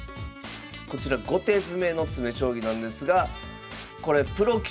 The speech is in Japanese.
こちら５手詰の詰将棋なんですがこれプロ棋士も悩む詰将棋と。